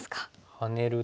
ハネると。